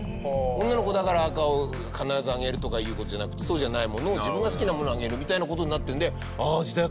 女の子だから赤を必ずあげるとかいう事じゃなくてそうじゃないものを自分が好きなものをあげるみたいな事になってるので。